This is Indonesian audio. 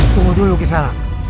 tunggu dulu kisah